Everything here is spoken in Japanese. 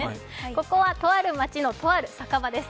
ここはとある街の、とある酒場です。